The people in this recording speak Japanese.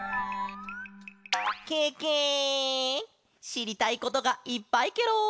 しりたいことがいっぱいケロ！